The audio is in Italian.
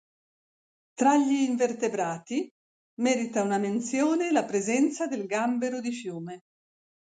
Tra gli invertebrati merita una menzione la presenza del gambero di fiume.